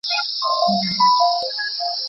چا ويل چې بيا به نوی منصور پاڅي